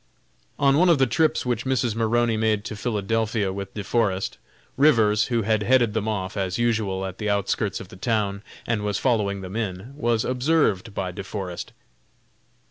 On one of the trips which Mrs. Maroney made to Philadelphia with De Forest, Rivers, who had headed them off, as usual, at the outskirts of the town, and was following them in, was observed by De Forest.